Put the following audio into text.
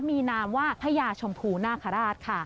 มีนามว่าพญาชมพูนาคาราชค่ะ